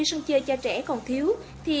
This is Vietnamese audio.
sân chơi cho trẻ còn thiếu thì